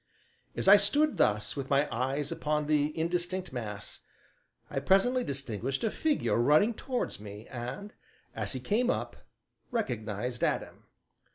As I stood thus, with my eyes upon the indistinct mass, I presently distinguished a figure running towards me and, as he came up, recognized Adam.